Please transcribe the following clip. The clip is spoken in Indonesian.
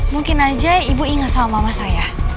mungkin aja ibu ingat sama mama saya